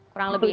kurang lebih ya